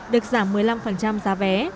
được giảm một mươi năm giá vé